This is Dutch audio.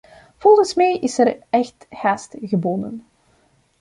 Volgens mij is er echt haast geboden.